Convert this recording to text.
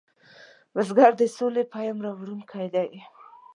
بزګر د سولې پیام راوړونکی دی